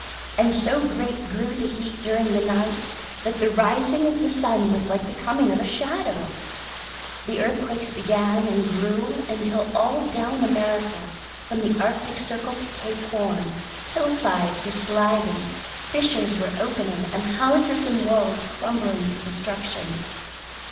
And so great grew the heat during the night that the rising of the sun was like the coming of a shadow. The earthquakes began and grew until all down America from the Arctic Circle to Cape Horn, hillsides were sliding, fissures were opening, and houses and walls crumbling to destruction.